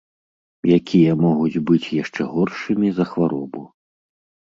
Якія могуць быць яшчэ горшымі за хваробу.